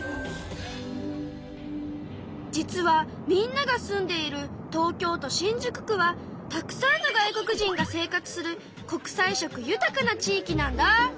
実はみんなが住んでいる東京都新宿区はたくさんの外国人が生活する国際色豊かな地いきなんだ。